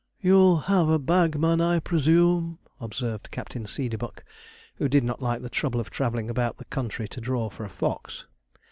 'You'll have a bagman, I presume,' observed Captain Seedeybuck, who did not like the trouble of travelling about the country to draw for a fox.